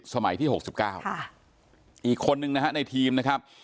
สมัยที่๖๙อีกคนนึงนะฮะในทีมนะครับ